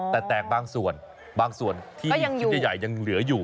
แต่แตกบางส่วนบางส่วนที่ชุดใหญ่ยังเหลืออยู่